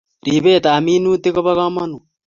ripetap minutik kopo kamanut